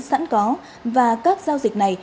sẵn có và các giao dịch này